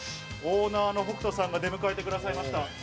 オーナーの北斗さんが出迎えてくださいました。